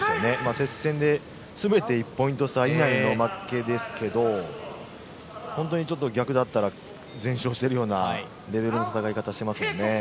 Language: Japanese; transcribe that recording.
接戦で全て１ポイント差以内の負けですけど本当にちょっと逆だったら全勝しているようなレベルの戦いをしていますよね。